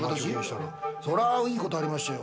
そりゃいいことありましたよ。